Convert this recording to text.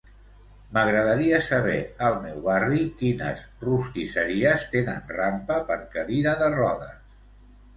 M'agradaria saber, al meu barri, quines rostisseries tenen rampa per cadira de rodes?